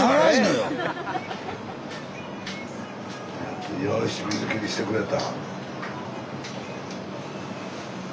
よし水切りしてくれた。